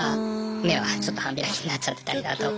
目はちょっと半開きになっちゃってたりだとか。